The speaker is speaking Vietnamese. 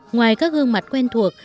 ngoài các gương mặt quen thuộc